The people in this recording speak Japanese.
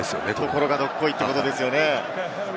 ところがどっこいということですよね。